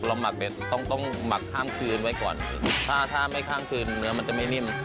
เราหมักเบ็ดต้องหมักข้างคืนไว้ก่อนถ้าไม่ข้างคืนเนื้อมันจะไม่นิ่ม